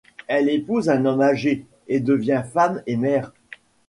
Elle épouse un homme âgé, et devient femme et mère.